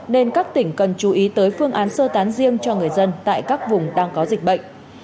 nên các tỉnh cần chú ý tới phương án sơ tán riêng cho người dân tại các vùng đang có dịch bệnh